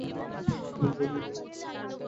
নীলমণি বিছানার পাশে বসিয়া বলিলেন-দেখি হাতখানা?